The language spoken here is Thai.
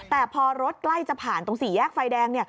แต่พอรถใกล้จะผ่านตรงสี่แยกไฟแดง